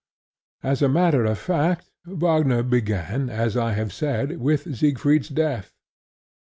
As a matter of fact Wagner began, as I have said, with Siegfried's Death.